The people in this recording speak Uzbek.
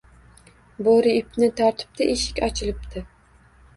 Boʻri ipni tortibdi — eshik ochilibdi